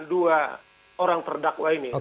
dua orang terdakwa ini